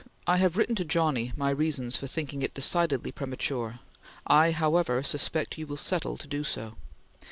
I have written to Johnny my reasons for thinking it decidedly premature. I, however, suspect you will settle to do so.